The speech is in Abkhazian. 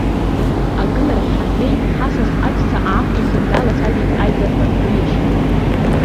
Агыларахь ҳаннеи, ҳасас аҵәца аақәихын, далацәажәеит ажәларқәа рыешьара.